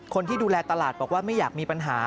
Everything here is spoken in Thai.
คนที่ดูแลตลาดบอกว่าไม่อยากมีปัญหา